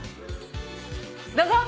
どうぞ。